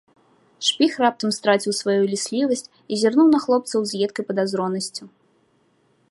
Шпіг раптам страціў сваю ліслівасць і зірнуў на хлопцаў з едкай падазронасцю.